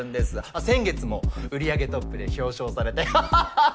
あっ先月も売り上げトップで表彰されてははははっ。